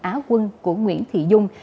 á quân của nguyễn thị dung